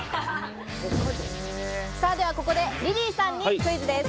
では、ここでリリーさんにクイズです。